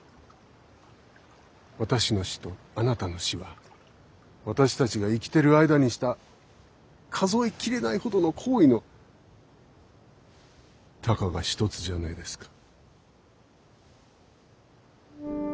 私の死とあなたの死は私たちが生きてる間にした数え切れないほどの行為のたかが一つじゃないですか。